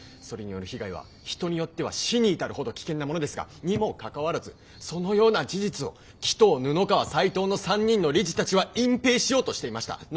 それによる被害は人によっては死に至るほど危険なものですがにもかかわらずそのような事実を鬼頭布川斎藤の３人の理事たちは隠蔽しようとしていました。